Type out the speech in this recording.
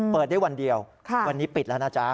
เปิดได้วันเดียววันนี้ปิดแล้วนะจ๊ะ